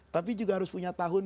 tapi juga harus punya tahun